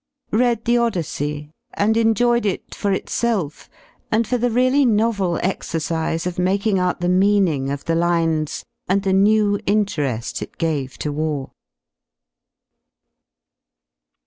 Read the "Odyssey" and ""] enjoyed it for itself and for the really novel exercise of 5 making out the meaning of the lines and the new intere^ y it gave to war.